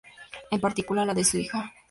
En particular, la de su hija.